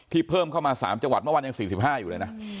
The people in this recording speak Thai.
เพิ่มเข้ามา๓จังหวัดเมื่อวานยัง๔๕อยู่เลยนะ